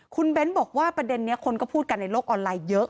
คุณเบ้นบอกว่าประเด็นนี้คนก็พูดกันในโลกออนไลน์เยอะ